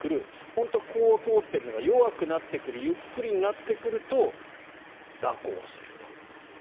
本当はこう通っているのが弱くなってくるゆっくりになってくると蛇行すると。